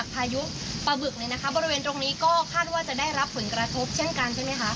พายุปลาบึกเนี่ยนะคะบริเวณตรงนี้ก็คาดว่าจะได้รับผลกระทบเช่นกันใช่ไหมคะ